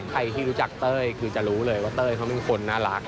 ใครที่รู้จักเต้ยคือจะรู้เลยว่าเต้ยเขาเป็นคนน่ารัก